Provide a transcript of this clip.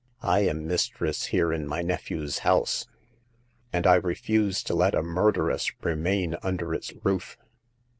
" I am mistress here in my nephew's house, and I refuse to let a murderess remain under its roof